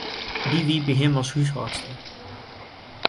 Dy wie by him as húshâldster.